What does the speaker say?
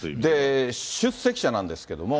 出席者なんですけれども。